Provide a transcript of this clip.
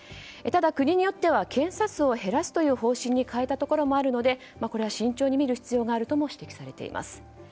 ただ、国によっては検査数を変えるといった方針にしたところもあるのでこれは慎重にみる必要があるとも指摘されています。